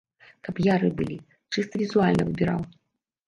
Каб яры былі, чыста візуальна выбіраў.